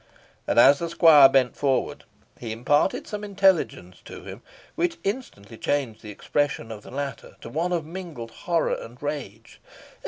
And as the squire bent forward, he imparted some intelligence to him, which instantly changed the expression of the latter to one of mingled horror and rage.